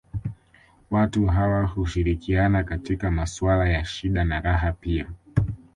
Watu hawa hushirikiana katika maswala ya shida na raha pia